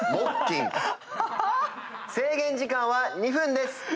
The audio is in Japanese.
制限時間は２分です。